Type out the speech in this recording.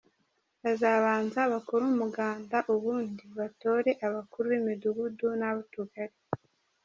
Bazabanza bakore Umuganda ubundi batore abakuru b’imidugudu n’ab’utugari.